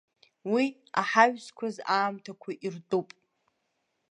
Уи аҳаҩсқәаз аамҭақәа иртәуп.